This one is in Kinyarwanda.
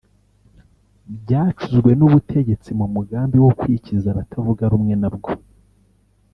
byacuzwe n’ubutegetsi mu mugambi wo kwikiza abatavuga rumwe na bwo